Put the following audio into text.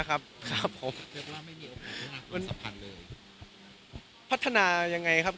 อะไรนะครับ